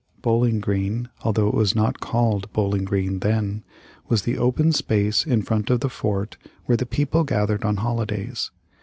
Bowling Green, although it was not called Bowling Green then, was the open space in front of the fort where the people gathered on holidays.